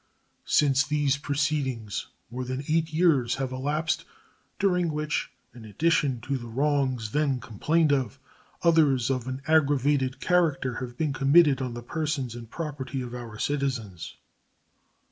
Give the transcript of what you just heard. Since these proceedings more than eight years have elapsed, during which, in addition to the wrongs then complained of, others of an aggravated character have been committed on the persons and property of our citizens.